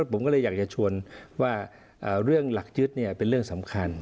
ผมก็เลยอยากจะชวนว่าเรื่องหลักยึดเป็นเรื่องสำคัญ